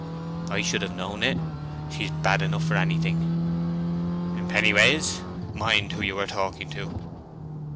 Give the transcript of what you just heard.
"I should have known it. She's bad enough for anything." "Pennyways, mind who you are talking to."